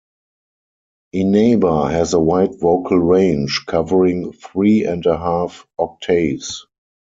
Inaba has a wide vocal range, covering three and a half octaves.